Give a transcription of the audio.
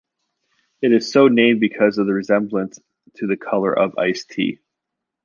It is so named because of the resemblance to the color of iced tea.